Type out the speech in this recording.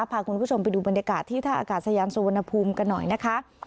พาคุณผู้ชมไปดูบรรยากาศที่ท่าอากาศยานสุวรรณภูมิกันหน่อยนะคะ